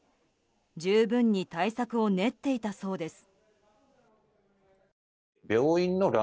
十分に対策を練っていたそうです。